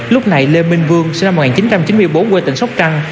lúc này lê minh vương sinh năm một nghìn chín trăm chín mươi bốn quê tỉnh sóc trăng